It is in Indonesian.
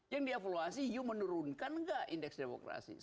yang dia evaluasi you menurunkan enggak indeks demokrasi